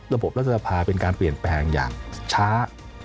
รัฐสภาเป็นการเปลี่ยนแปลงอย่างช้า